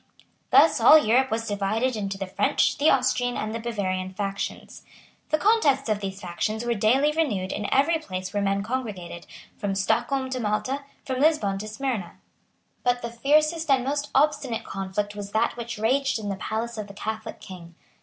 Thus all Europe was divided into the French, the Austrian, and the Bavarian factions. The contests of these factions were daily renewed in every place where men congregated, from Stockholm to Malta, and from Lisbon to Smyrna. But the fiercest and most obstinate conflict was that which raged in the palace of the Catholic King.